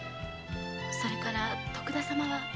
それから徳田様は？